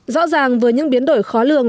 rõ ràng với những biến đổi khó lường